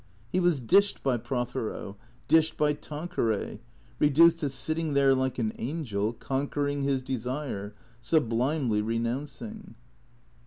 He was dished by Prothero, dished by Tan queray, reduced to sitting there, like an angel, conquering his desire, sublimely renouncing.